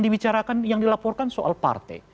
bisa bais yang dilaporkan soal partai